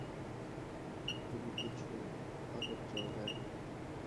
তুমি কিছু আদর চাও, হ্যাঁ।